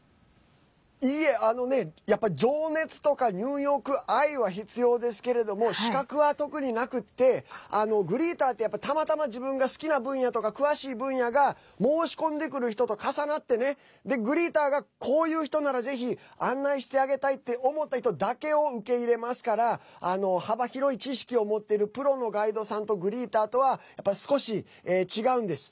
いいえ、情熱とかニューヨーク愛は必要ですけども資格は特になくってグリーターってたまたま自分が好きな分野とか詳しい分野が申し込んでくる人と重なってグリーターが、こういう人ならぜひ案内してあげたいって思った人だけを受け入れますから幅広い知識を持っているプロのガイドさんとグリーターとはやっぱり少し違うんです。